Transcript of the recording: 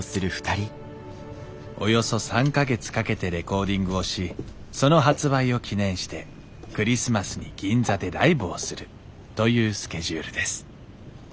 およそ３か月かけてレコーディングをしその発売を記念してクリスマスに銀座でライブをするというスケジュールです